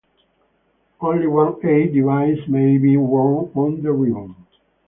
Only one "A" device may be worn on the ribbon.